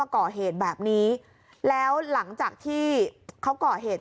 ก่อเหตุแบบนี้แล้วหลังจากที่เขาก่อเหตุ